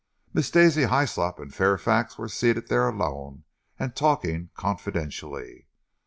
Miss Daisy Hyslop and Fairfax were seated there alone and talking confidentially.